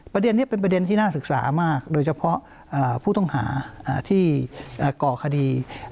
ประเด็นนี้เป็นประเด็นที่น่าศึกษามากโดยเฉพาะผู้ต้องหาที่ก่อคดี